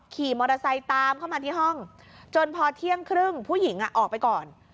ขี่มอเตอร์ไซค์ตามเข้ามาที่ห้องจนพอเที่ยงครึ่งผู้หญิงออกไปก่อน